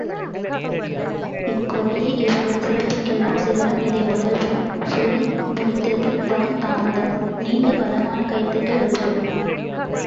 இக்கொடையே இவர்கள் சிறப்புக்கெல்லாம் சிகரம் இதை முதல்வர், சொல்லி முடித்தது தான் தாமதம், நீண்ட பலமான கைதட்டல் வகுப்பிலே.